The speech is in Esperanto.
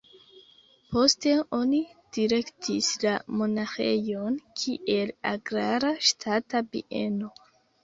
Poste oni direktis la monaĥejon kiel agrara ŝtata bieno.